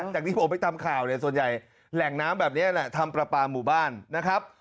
จากที่ผมไปทำข่าวเนี่ยส่วนใหญ่แหล่งน้ำแบบนี้แหละทำปลาปลาหมู่บ้านนะครับ